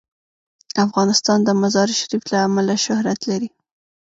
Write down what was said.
افغانستان د مزارشریف له امله شهرت لري.